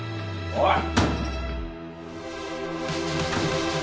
おい。